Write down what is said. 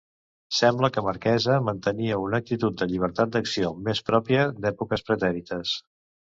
Sembla que Marquesa mantenia una actitud de llibertat d'acció més pròpia d'èpoques pretèrites.